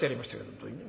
本当にね。